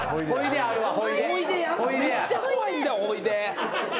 めっちゃ怖いんだよ「ほいで？」